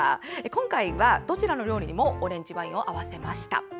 今回は、どちらの料理にもオレンジワインを合わせました。